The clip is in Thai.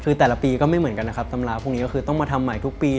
คือแต่ละปีก็ไม่เหมือนกันนะครับตำราพวกนี้ก็คือต้องมาทำใหม่ทุกปี